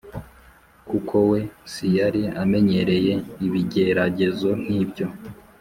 kuko we si yari amenyereye ibigeragezo nk’ibyo.